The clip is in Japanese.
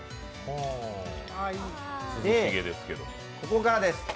で、ここからです。